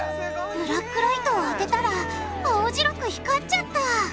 ブラックライトをあてたら青白く光っちゃった！